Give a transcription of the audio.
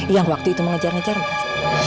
yang waktu itu mengejar ngejar mas